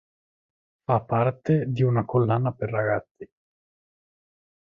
Fa parte di una collana per ragazzi.